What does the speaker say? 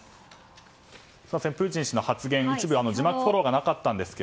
プーチン氏の発言、一部字幕フォローがなかったんですが。